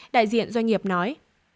đại diện doanh nghiệp nói